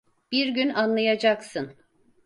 Bir gün anlayacaksın.